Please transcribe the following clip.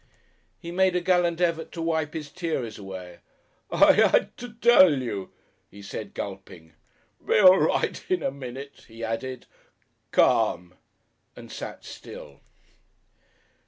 He made a gallant effort to wipe his tears away. "I had to tell you," he said, gulping. "Be all right in a minute," he added, "calm," and sat still....